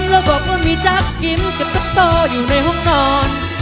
แล้วบอกว่ามีจักกิ้มกับจักต่ออยู่ในห้องนอน